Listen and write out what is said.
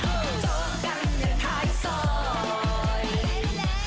โทษกันเนื้อใครส่วน